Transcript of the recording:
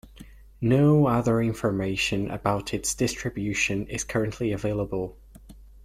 No other information about its distribution is currently available.